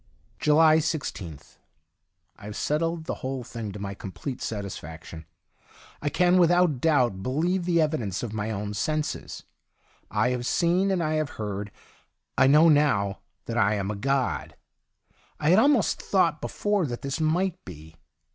Julii l6th. — I have settled the whole thing to my complete satis faction. I can without doubt be lieve the evidence of my own senses. I have seen, and I have heard. I know now Ihat I am a god. I had almost thought before that this might be.